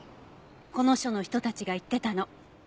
この署の人たちが言ってたの。